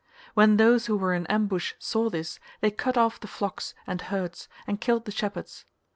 When those who were in ambush saw this, they cut off the flocks and herds and killed the shepherds.